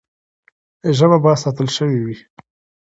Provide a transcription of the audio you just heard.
ژبه به ساتل سوې وي.